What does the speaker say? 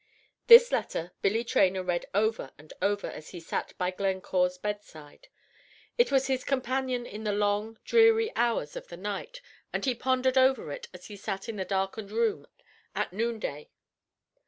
This letter Billy Traynor read over and over as he sat by Glencore's bedside. It was his companion in the long, dreary hours of the night, and he pondered over it as he sat in the darkened room at noonday.